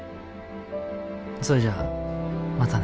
それじゃあまたね。